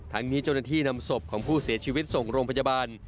นี้เจ้าหน้าที่นำศพของผู้เสียชีวิตส่งโรงพยาบาล